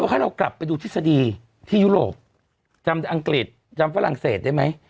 ให้เรากลับไปดูทฤษฎีที่ยุโรปจำอังกฤษจำฝรั่งเศสได้ไหม